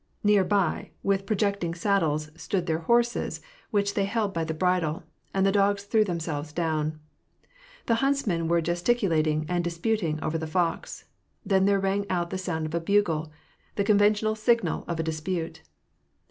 Near by, with pro 264 WAH AHto PEACE. iecting saddles, stood their horses, which they held by the bridle ; and the dogs threw themselves down. The huntsmen were gesticulating and disputing over the fox. Then there rang out the sound of a bugle ; the conventional signal of a dispute.